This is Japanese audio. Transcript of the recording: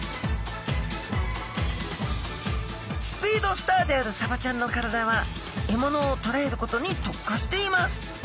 スピードスターであるサバちゃんの体は獲物をとらえることに特化しています。